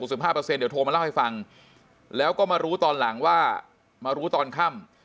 เดี๋ยวโทรมาเล่าให้ฟังแล้วก็มารู้ตอนหลังว่ามารู้ตอนค่ำ